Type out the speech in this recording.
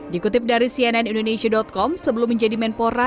dikutip dari cnn indonesia com sebelum menjadi menpora